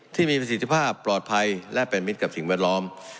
ที่มีประสิทธิภาพปลอดภัยและเป็นมิตรกับสิ่งแวดล้อม